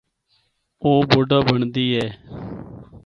او بڈھا بنڑدی اے۔